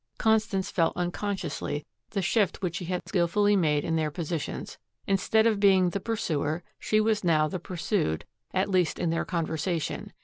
Constance felt unconsciously the shift which he had skilfully made in their positions. Instead of being the pursuer, she was now the pursued, at least in their conversation.